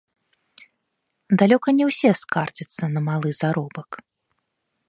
Далёка не ўсе скардзяцца на малы заробак.